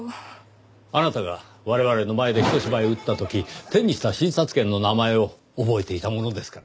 あなたが我々の前でひと芝居打った時手にした診察券の名前を覚えていたものですからね。